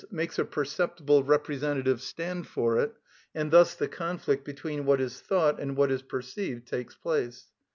_, makes a perceptible representative stand for it, and thus the conflict between what is thought and what is perceived takes place.